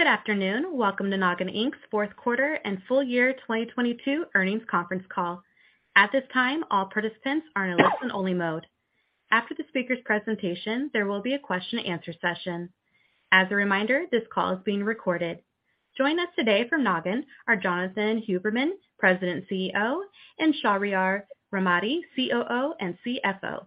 Good afternoon. Welcome to Nogin Inc.'s Fourth Quarter and Full Year 2022 Earnings Conference Call. At this time, all participants are in a listen-only mode. After the speaker's presentation, there will be a question and answer session. As a reminder, this call is being recorded. Joining us today from Nogin are Jonathan Huberman, President and CEO, and Shahriyar Rahmati, COO and CFO.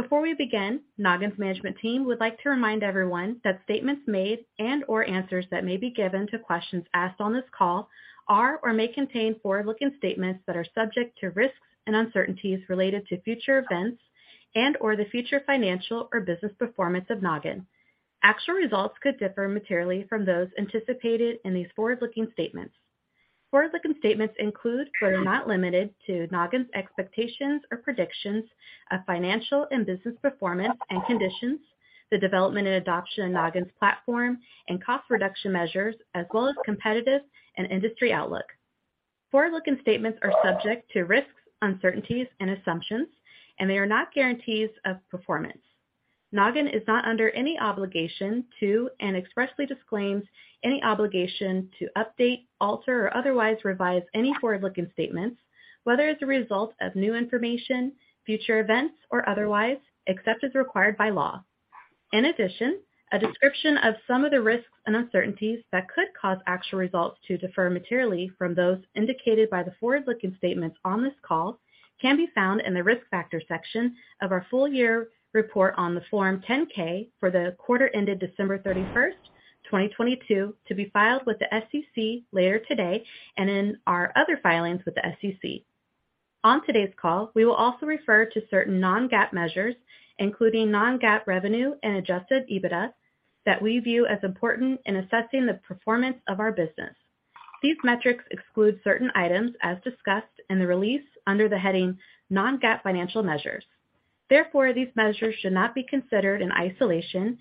Before we begin, Nogin's management team would like to remind everyone that statements made and/or answers that may be given to questions asked on this call are or may contain forward-looking statements that are subject to risks and uncertainties related to future events and/or the future financial or business performance of Nogin. Actual results could differ materially from those anticipated in these forward-looking statements. Forward-looking statements include, but are not limited to Nogin's expectations or predictions of financial and business performance and conditions, the development and adoption of Nogin's platform and cost reduction measures, as well as competitive and industry outlook. Forward-looking statements are subject to risks, uncertainties and assumptions, and they are not guarantees of performance. Nogin is not under any obligation to, and expressly disclaims any obligation to update, alter or otherwise revise any forward-looking statements, whether as a result of new information, future events or otherwise, except as required by law. In addition, a description of some of the risks and uncertainties that could cause actual results to differ materially from those indicated by the forward-looking statements on this call can be found in the Risk Factors section of our full year report on the Form 10-K for the quarter ended December 31st, 2022, to be filed with the SEC later today and in our other filings with the SEC. On today's call, we will also refer to certain non-GAAP measures, including non-GAAP revenue and Adjusted EBITDA, that we view as important in assessing the performance of our business. These metrics exclude certain items as discussed in the release under the heading Non-GAAP Financial Measures. Therefore, these measures should not be considered in isolation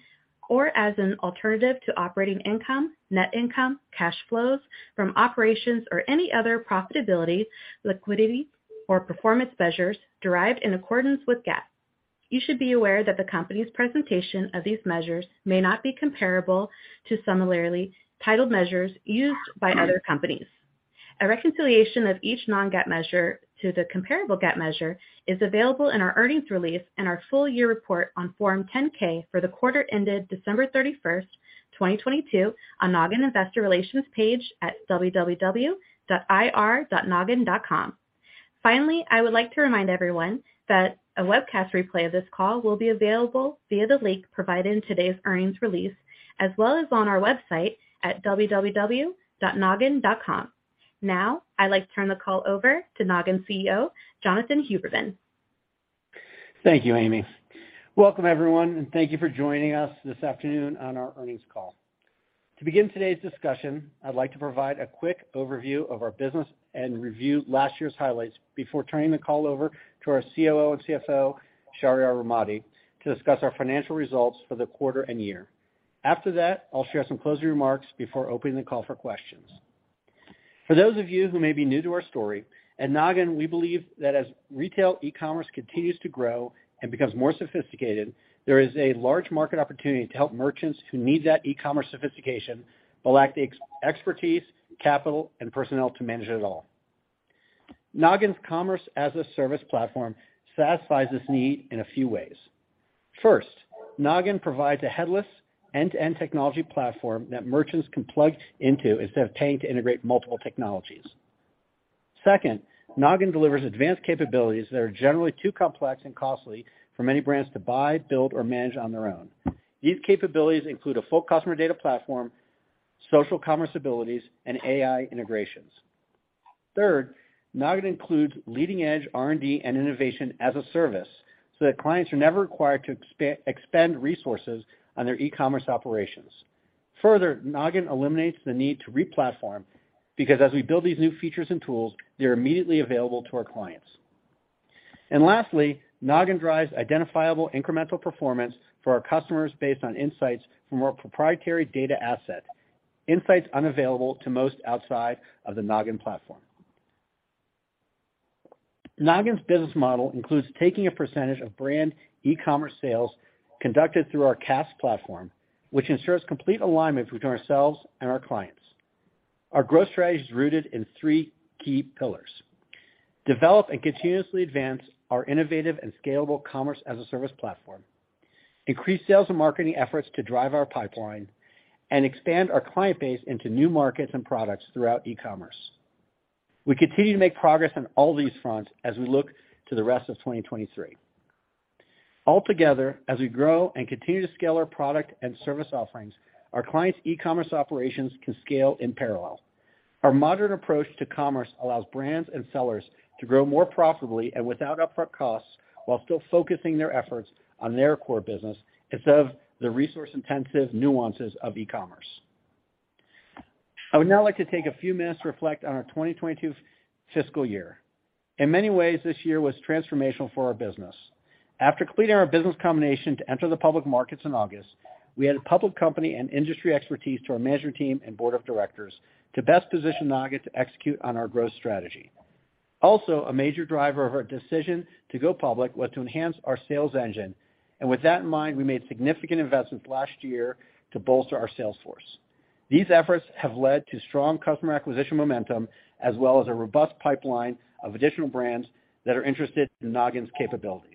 or as an alternative to operating income, net income, cash flows from operations or any other profitability, liquidity, or performance measures derived in accordance with GAAP. You should be aware that the company's presentation of these measures may not be comparable to similarly titled measures used by other companies. A reconciliation of each non-GAAP measure to the comparable GAAP measure is available in our earnings release and our full year report on Form 10-K for the quarter ended December 31, 2022 on Nogin Investor Relations page at www.ir.nogin.com. Finally, I would like to remind everyone that a webcast replay of this call will be available via the link provided in today's earnings release as well as on our website at www.nogin.com. Now I'd like to turn the call over to Nogin CEO, Jonathan Huberman. Thank you, Amy. Welcome, everyone, and thank you for joining us this afternoon on our earnings call. To begin today's discussion, I'd like to provide a quick overview of our business and review last year's highlights before turning the call over to our COO and CFO, Shahriyar Rahmati, to discuss our financial results for the quarter and year. After that, I'll share some closing remarks before opening the call for questions. For those of you who may be new to our story, at Nogin, we believe that as retail e-commerce continues to grow and becomes more sophisticated, there is a large market opportunity to help merchants who need that e-commerce sophistication but lack the expertise, capital, and personnel to manage it all. Nogin's Commerce-as-a-Service platform satisfies this need in a few ways. First, Nogin provides a headless end-to-end technology platform that merchants can plug into instead of paying to integrate multiple technologies. Second, Nogin delivers advanced capabilities that are generally too complex and costly for many brands to buy, build, or manage on their own. These capabilities include a full customer data platform, social commerce abilities, and AI integrations. Third, Nogin includes leading-edge R&D and innovation-as-a-service so that clients are never required to expend resources on their ecommerce operations. Lastly, Nogin drives identifiable incremental performance for our customers based on insights from our proprietary data asset, insights unavailable to most outside of the Nogin platform. Nogin's business model includes taking a percentage of brand ecommerce sales conducted through our CaaS platform, which ensures complete alignment between ourselves and our clients. Our growth strategy is rooted in three key pillars: develop and continuously advance our innovative and scalable Commerce-as-a-Service platform, increase sales and marketing efforts to drive our pipeline, and expand our client base into new markets and products throughout ecommerce. We continue to make progress on all these fronts as we look to the rest of 2023. Altogether, as we grow and continue to scale our product and service offerings, our clients' ecommerce operations can scale in parallel. Our modern approach to commerce allows brands and sellers to grow more profitably and without upfront costs while still focusing their efforts on their core business instead of the resource-intensive nuances of ecommerce. I would now like to take a few minutes to reflect on our 2022 fiscal year. In many ways, this year was transformational for our business. After completing our business combination to enter the public markets in August, we added public company and industry expertise to our management team and board of directors to best position Nogin to execute on our growth strategy. Also, a major driver of our decision to go public was to enhance our sales engine. With that in mind, we made significant investments last year to bolster our sales force. These efforts have led to strong customer acquisition momentum, as well as a robust pipeline of additional brands that are interested in Nogin's capabilities.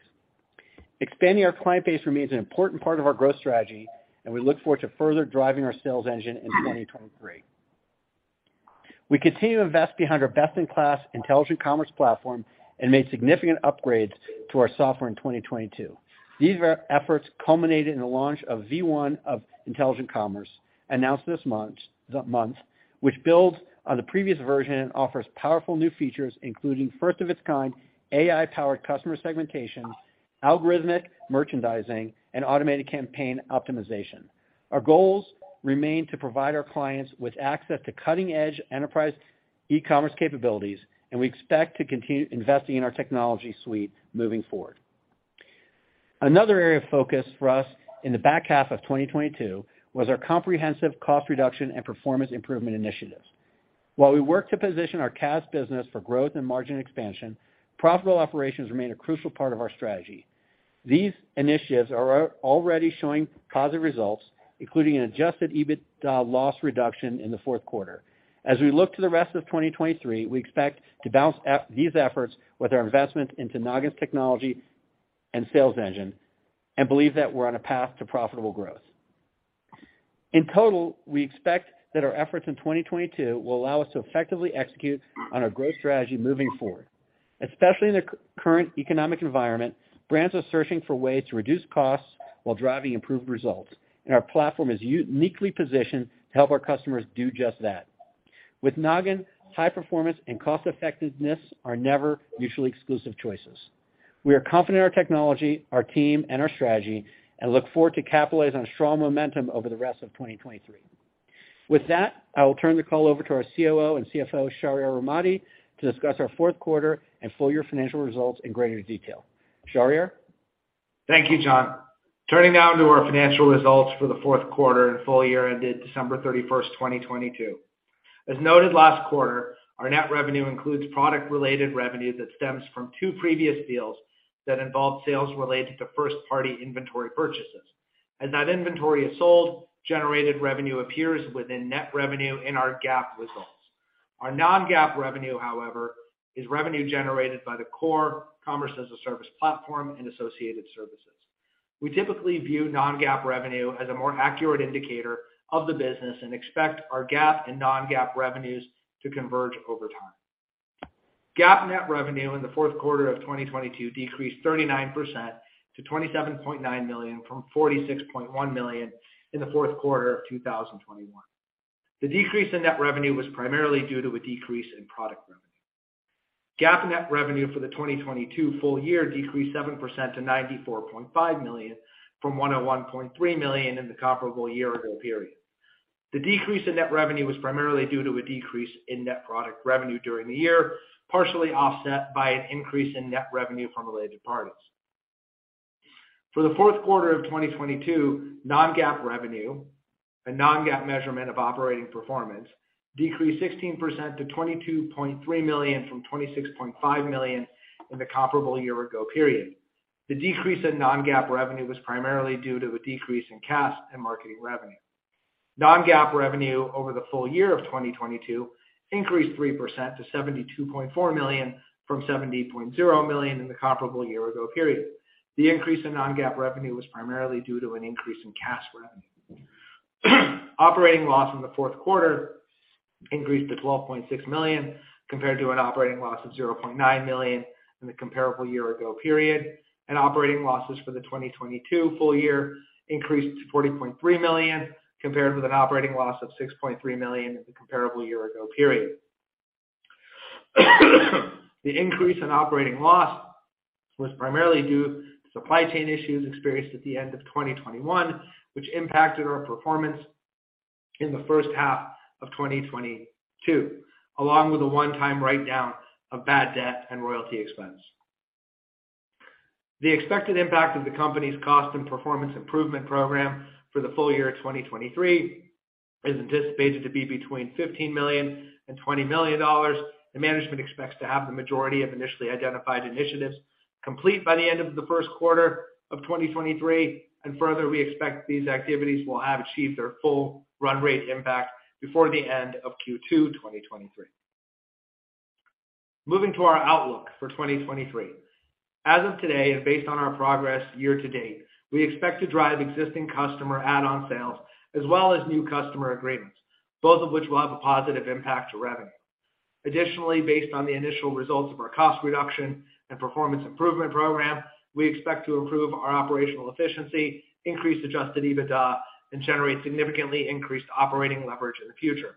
Expanding our client base remains an important part of our growth strategy, and we look forward to further driving our sales engine in 2023. We continue to invest behind our best-in-class Intelligent Commerce platform and made significant upgrades to our software in 2022. These efforts culminated in the launch of V1 of Intelligent Commerce, announced this month, which builds on the previous version and offers powerful new features, including first of its kind AI-powered customer segmentation, algorithmic merchandising, and automated campaign optimization. Our goals remain to provide our clients with access to cutting edge enterprise e-commerce capabilities, we expect to continue investing in our technology suite moving forward. Another area of focus for us in the back half of 2022 was our comprehensive cost reduction and performance improvement initiatives. While we work to position our CaaS business for growth and margin expansion, profitable operations remain a crucial part of our strategy. These initiatives are already showing positive results, including an Adjusted EBIT loss reduction in the fourth quarter. As we look to the rest of 2023, we expect to balance these efforts with our investment into Nogin's technology and sales engine and believe that we're on a path to profitable growth. In total, we expect that our efforts in 2022 will allow us to effectively execute on our growth strategy moving forward. Especially in the current economic environment, brands are searching for ways to reduce costs while driving improved results, our platform is uniquely positioned to help our customers do just that. With Nogin, high performance and cost effectiveness are never mutually exclusive choices. We are confident in our technology, our team, and our strategy, look forward to capitalizing on strong momentum over the rest of 2023. With that, I will turn the call over to our COO and CFO, Shahriyar Rahmati, to discuss our fourth quarter and full year financial results in greater detail. Shahriyar? Thank you, John. Turning now to our financial results for the fourth quarter and full year ended December 31st, 2022. As noted last quarter, our net revenue includes product-related revenue that stems from two previous deals that involved sales related to first-party inventory purchases. As that inventory is sold, generated revenue appears within net revenue in our GAAP results. Our non-GAAP revenue, however, is revenue generated by the core Commerce-as-a-Service platform and associated services. We typically view non-GAAP revenue as a more accurate indicator of the business and expect our GAAP and non-GAAP revenues to converge over time. GAAP net revenue in the fourth quarter of 2022 decreased 39% to $27.9 million from $46.1 million in the fourth quarter of 2021. The decrease in net revenue was primarily due to a decrease in product revenue. GAAP net revenue for the 2022 full year decreased 7% to $94.5 million from $101.3 million in the comparable year-ago period. The decrease in net revenue was primarily due to a decrease in net product revenue during the year, partially offset by an increase in net revenue from related parties. For the fourth quarter of 2022, non-GAAP revenue, a non-GAAP measurement of operating performance, decreased 16% to $22.3 million from $26.5 million in the comparable year-ago period. The decrease in non-GAAP revenue was primarily due to a decrease in CaaS and marketing revenue. Non-GAAP revenue over the full year of 2022 increased 3% to $72.4 million from $70.0 million in the comparable year-ago period. The increase in non-GAAP revenue was primarily due to an increase in CaaS revenue. Operating loss in the fourth quarter increased to $12.6 million, compared to an operating loss of $0.9 million in the comparable year-ago period, and operating losses for the 2022 full year increased to $40.3 million, compared with an operating loss of $6.3 million in the comparable year-ago period. The increase in operating loss was primarily due to supply chain issues experienced at the end of 2021, which impacted our performance in the first half of 2022, along with a one-time write-down of bad debt and royalty expense. The expected impact of the company's cost and performance improvement program for the full year of 2023 is anticipated to be between $15 million and $20 million, and management expects to have the majority of initially identified initiatives complete by the end of the first quarter of 2023. Further, we expect these activities will have achieved their full run rate impact before the end of Q2 2023. Moving to our outlook for 2023. As of today, and based on our progress year to date, we expect to drive existing customer add-on sales as well as new customer agreements, both of which will have a positive impact to revenue. Based on the initial results of our cost reduction and performance improvement program, we expect to improve our operational efficiency, increase Adjusted EBITDA, and generate significantly increased operating leverage in the future.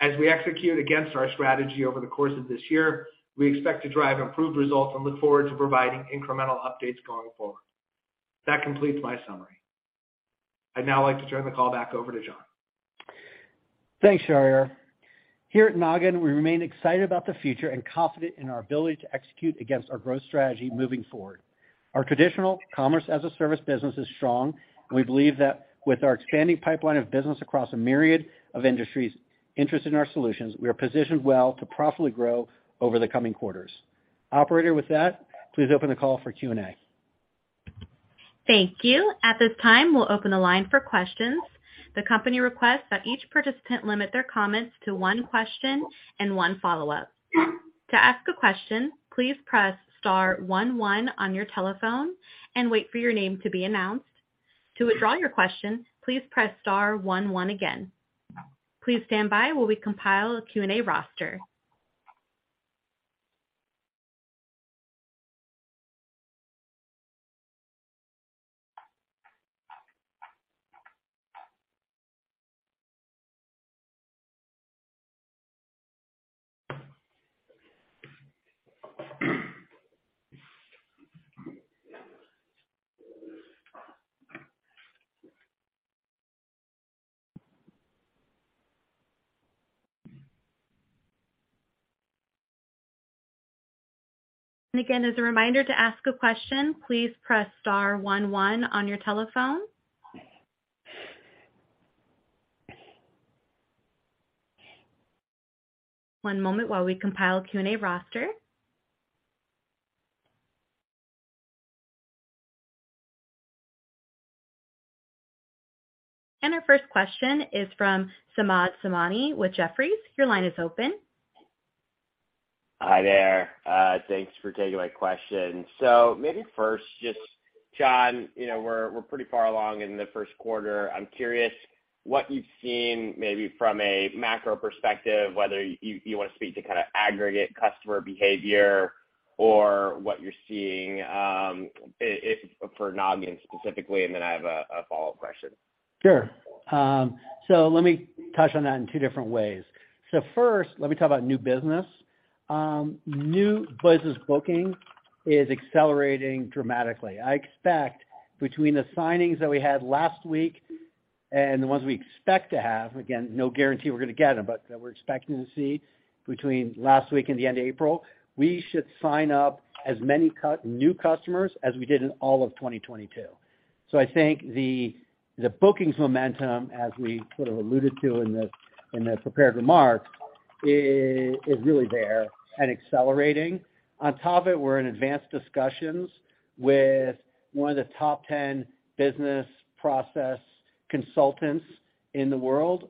As we execute against our strategy over the course of this year, we expect to drive improved results and look forward to providing incremental updates going forward. That completes my summary. I'd now like to turn the call back over to John. Thanks, Shahriar. Here at Nogin, we remain excited about the future and confident in our ability to execute against our growth strategy moving forward. Our traditional Commerce-as-a-Service business is strong, and we believe that with our expanding pipeline of business across a myriad of industries interested in our solutions, we are positioned well to profitably grow over the coming quarters. Operator, with that, please open the call for Q&A. Thank you. At this time, we'll open the line for questions. The company requests that each participant limit their comments to one question and one follow-up. To ask a question, please press star one one on your telephone and wait for your name to be announced. To withdraw your question, please press star one one again. Please stand by while we compile a Q&A roster. Again, as a reminder to ask a question, please press star one one on your telephone. One moment while we compile a Q&A roster. Our first question is from Samad Samana with Jefferies. Your line is open. Hi there. Thanks for taking my question. Maybe first, just John, we're pretty far along in the first quarter. I'm curious what you've seen maybe from a macro perspective, whether you wanna speak to kinda aggregate customer behavior or what you're seeing, if for Nogin specifically, and then I have a follow-up question? Sure. Let me touch on that in two different ways. First, let me talk about new business. New business booking is accelerating dramatically. I expect between the signings that we had last week and the ones we expect to have, again, no guarantee we're gonna get them, but that we're expecting to see between last week and the end of April, we should sign up as many new customers as we did in all of 2022. I think the bookings momentum, as we sort of alluded to in the, in the prepared remarks, is really there and accelerating. On top of it, we're in advanced discussions with one of the top 10 business process consultants in the world,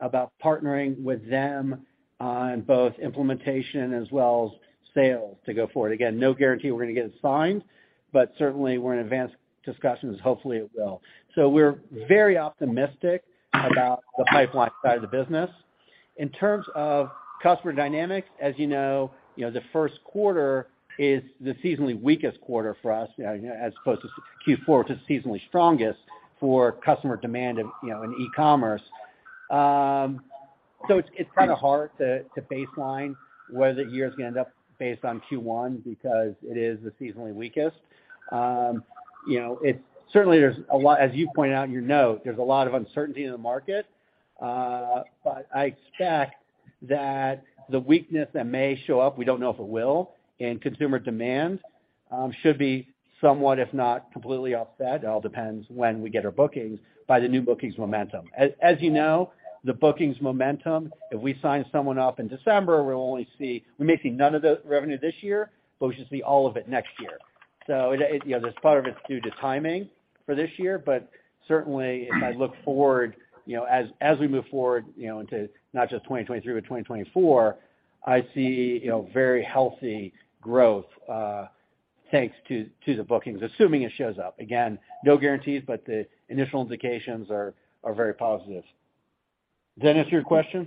about partnering with them on both implementation as well as sales to go forward. No guarantee we're gonna get it signed, but certainly we're in advanced discussions. Hopefully, it will. We're very optimistic about the pipeline side of the business. In terms of customer dynamics, as the first quarter is the seasonally weakest quarter for us as opposed to Q4, which is seasonally strongest for customer demand of in ecommerce. It's kinda hard to baseline whether the year's gonna end up based on Q1 because it is the seasonally weakest. It's certainly as you point out in your note, there's a lot of uncertainty in the market. I expect that the weakness that may show up, we don't know if it will, in consumer demand, should be somewhat if not completely offset, it all depends when we get our bookings, by the new bookings momentum. The bookings momentum, if we sign someone up in December, we'll only see we may see none of the revenue this year, but we should see all of it next year. It, you know, there's part of it's due to timing for this year, but certainly if I look forward as we move forward into not just 2023, but 2024, I see very healthy growth, thanks to the bookings, assuming it shows up. Again, no guarantees, but the initial indications are very positive. Does that answer your question?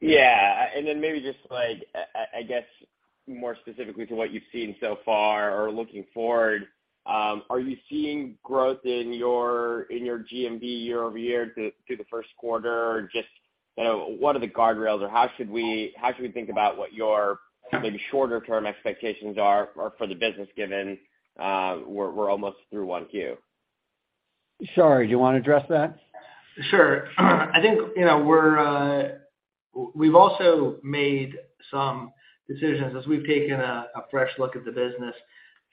Yeah. Maybe just like, I guess more specifically to what you've seen so far or looking forward, are you seeing growth in your GMV year-over-year through the first quarter? Just what are the guardrails or how should we think about what your maybe shorter term expectations are for the business given we're almost through 1Q? Shar, do you wanna address that? Sure. I think, we've also made some decisions as we've taken a fresh look at the business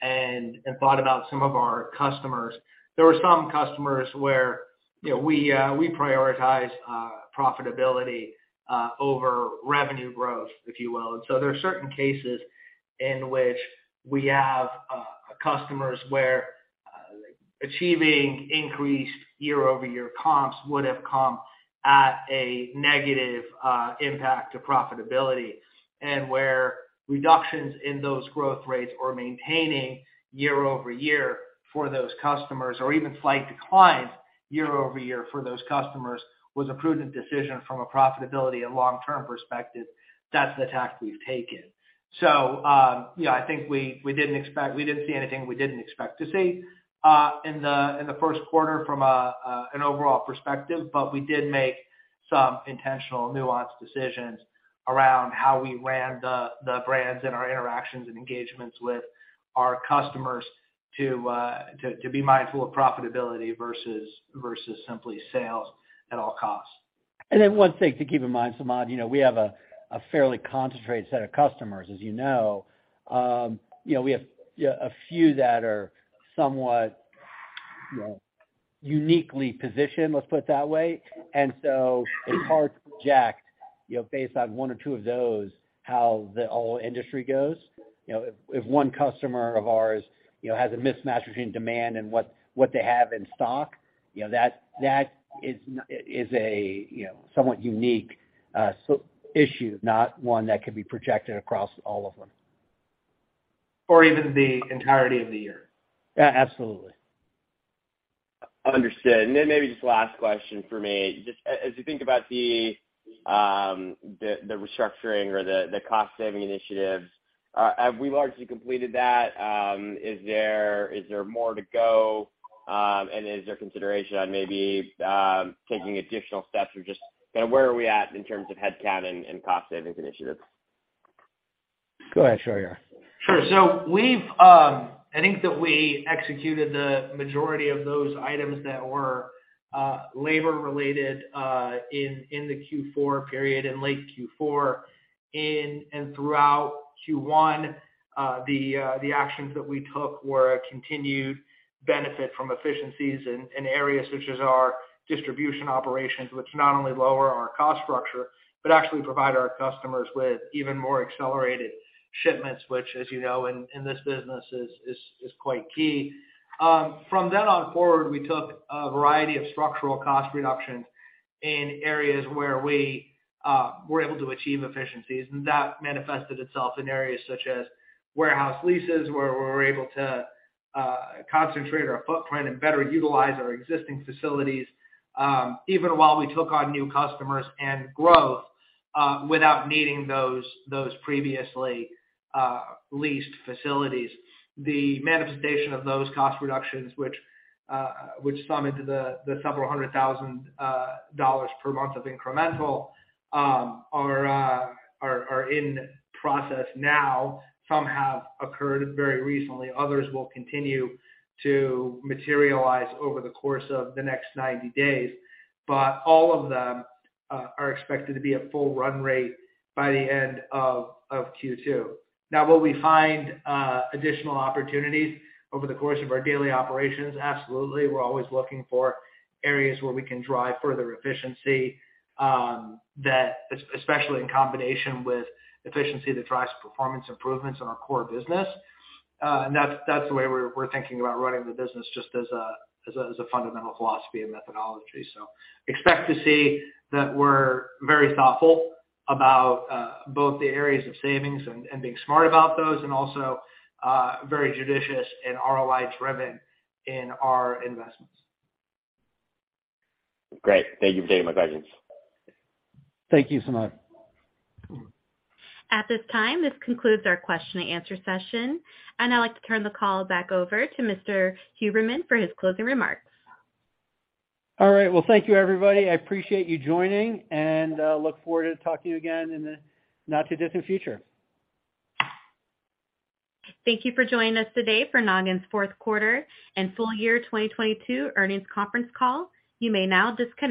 and thought about some of our customers. There were some customers where we prioritize profitability over revenue growth, if you will. There are certain cases in which we have customers where achieving increased year-over-year comps would have come at a negative impact to profitability. Where reductions in those growth rates or maintaining year-over-year for those customers or even slight decline year-over-year for those customers was a prudent decision from a profitability and long-term perspective. That's the tact we've taken. Yeah, I think we didn't expect... we didn't see anything we didn't expect to see, in the, in the first quarter from an overall perspective. We did make some intentional nuanced decisions around how we ran the brands and our interactions and engagements with our customers to be mindful of profitability versus simply sales at all costs. Then one thing to keep in mind, Samad we have a fairly concentrated set of customers, as we have a few that are somewhat, uniquely positioned, let's put it that way. So it's hard to project, based on one or two of those, how the whole industry goes. If one customer of ours, has a mismatch between demand and what they have in stock, that is a somewhat unique issue, not one that could be projected across all of them. Even the entirety of the year. Yeah, absolutely. Understood. Then maybe just last question from me. Just as you think about the restructuring or the cost saving initiatives, have we largely completed that? Is there more to go? Is there consideration on maybe, taking additional steps or just kind of where are we at in terms of headcount and cost savings initiatives? Go ahead, Shahriyar, yeah. Sure. We've, I think that we executed the majority of those items that were labor related, in the Q4 period, in late Q4 in and throughout Q1. The actions that we took were a continued benefit from efficiencies in areas such as our distribution operations, which not only lower our cost structure, but actually provide our customers with even more accelerated shipments, which, as in this business is quite key. From then on forward, we took a variety of structural cost reductions in areas where we were able to achieve efficiencies, and that manifested itself in areas such as warehouse leases, where we were able to concentrate our footprint and better utilize our existing facilities, even while we took on new customers and growth, without needing those previously leased facilities. The manifestation of those cost reductions, which sum into the several hundred thousand $ per month of incremental, are in process now. Some have occurred very recently. Others will continue to materialize over the course of the next 90 days. All of them are expected to be at full run rate by the end of Q2. Now, will we find additional opportunities over the course of our daily operations? Absolutely. We're always looking for areas where we can drive further efficiency, especially in combination with efficiency that drives performance improvements in our core business. That's the way we're thinking about running the business just as a fundamental philosophy and methodology. Expect to see that we're very thoughtful about both the areas of savings and being smart about those, and also very judicious and ROI-driven in our investments. Great. Thank you for taking my questions. Thank you, Samad. At this time, this concludes our question and answer session. I'd like to turn the call back over to Mr. Huberman for his closing remarks. All right. Well, thank you, everybody. I appreciate you joining, and look forward to talking to you again in the not too distant future. Thank you for joining us today for Nogin's fourth quarter and full year 2022 earnings conference call. You may now disconnect.